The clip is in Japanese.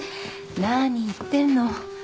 何言ってるの。